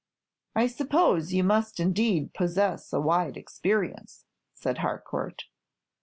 "I suppose you must indeed possess a wide experience," said Harcourt.